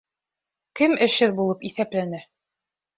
Кем эшһеҙ булып иҫәпләнә?